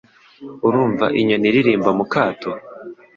Urumva inyoni iririmba mu kato